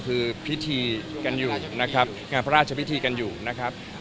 คือพิธีกันอยู่นะครับงานพระราชพิธีกันอยู่นะครับ